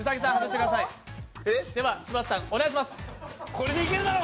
これでいけるだろ！